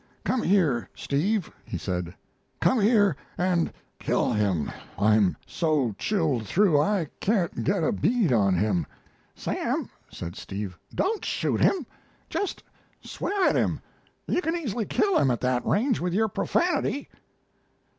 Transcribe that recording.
"Came here, Steve," he said. "Come here and kill him. I'm so chilled through I can't get a bead on him." "Sam," said Steve, "don't shoot him. Just swear at him. You can easily kill him at that range with your profanity."